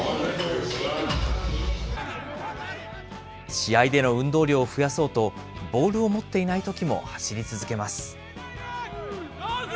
試合での運動量を増やそうと、ボールを持っていないときも走り続けます。